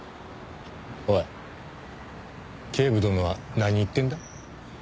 おい警部殿は何言ってるんだ？